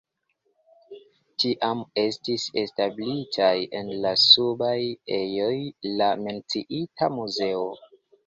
Tiam estis establitaj en la subaj ejoj la menciita muzeo.